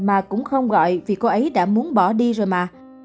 ông không gọi vì cô ấy đã muốn bỏ đi rồi mà